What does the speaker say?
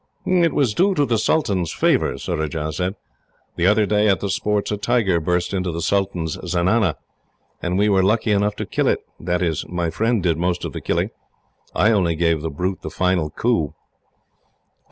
"It was due to the sultan's favour," Surajah said. "The other day, at the sports, a tiger burst into the sultan's zenana, and we were lucky enough to kill it that is, my friend did most of the killing. I only gave the brute the final coup."